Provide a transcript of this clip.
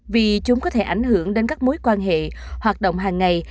vì chúng có thể ảnh hưởng đến các mối quan hệ hoạt động hàng ngày